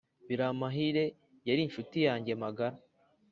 biramahire yari inshuti yanjye magara